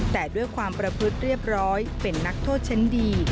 แต่ด้วยความประพฤติเรียบร้อยเป็นนักโทษชั้นดี